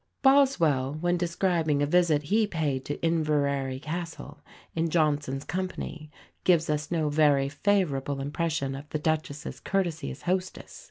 Boswell, when describing a visit he paid to Inverary Castle, in Johnson's company, gives us no very favourable impression of the Duchess's courtesy as hostess.